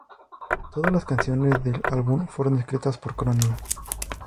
Todas las canciones del álbum fueron escritas por Cronin.